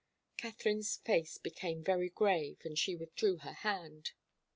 Katharine's face became very grave, and she withdrew her hand.